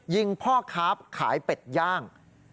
ยิงพ่อค้าขายเป็ดย่าง